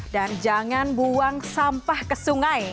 dan jangan buang sampah ke sungai